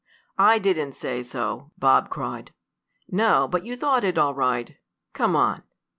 "I didn't say so!" Bob cried. "No, but you thought it all right. Come on."